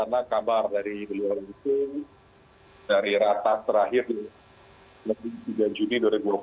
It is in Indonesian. karena kabar dari beliau itu dari rata terakhir lebih tiga juni dua ribu dua puluh